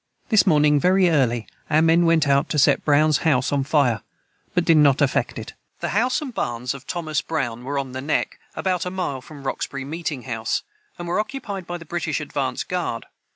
This morning very early our men went to set Browns house on fire but did not efect it. [Footnote 126: The house and barns of Thomas Brown were on the neck, about a mile from Roxbury meeting house, and were occupied by the British advanced guard.